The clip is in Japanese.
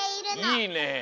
いいね！